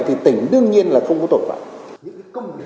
thì tỉnh đương nhiên là không có tội phạm